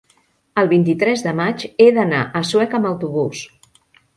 El vint-i-tres de maig he d'anar a Sueca amb autobús.